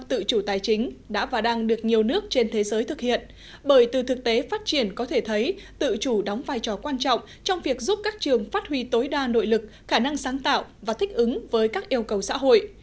tự chủ tài chính đã và đang được nhiều nước trên thế giới thực hiện bởi từ thực tế phát triển có thể thấy tự chủ đóng vai trò quan trọng trong việc giúp các trường phát huy tối đa nội lực khả năng sáng tạo và thích ứng với các yêu cầu xã hội